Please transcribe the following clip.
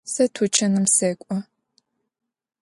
Сэ тучаным сэкӏо.